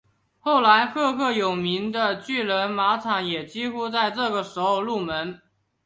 后来赫赫有名的巨人马场也几乎在这个时候入门。